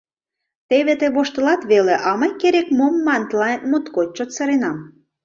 Теве тый воштылат веле, а мый, керек-мом ман, тыланет моткоч чот сыренам...